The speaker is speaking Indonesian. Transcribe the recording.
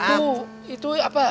itu itu apa